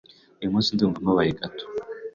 Uyu munsi ndumva mbabaye gato.